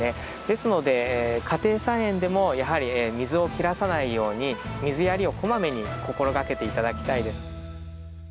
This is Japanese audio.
ですので家庭菜園でもやはり水を切らさないように水やりをこまめに心がけて頂きたいです。